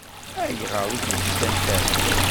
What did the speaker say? Ayɣer ur d-mmektant ara?